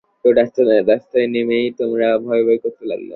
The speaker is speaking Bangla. ঐ রাতে রাস্তায় নেমেই আমার ভয়ভয় করতে লাগল।